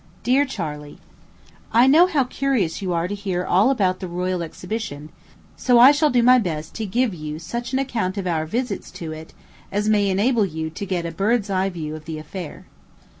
DEAR CHARLEY: I know how curious you are to hear all about the royal exhibition, so I shall do my best to give you such an account of our visits to it as may enable you to get a bird's eye view of the affair.